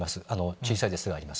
小さいですがあります。